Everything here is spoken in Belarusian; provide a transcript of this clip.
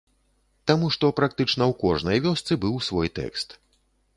Таму што практычна ў кожнай вёсцы быў свой тэкст.